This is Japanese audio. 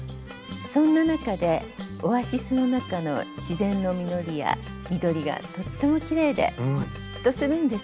そんな中でオアシスの中の自然の実りや緑がとってもきれいでほっとするんですね。